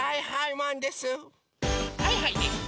はいはいマンです！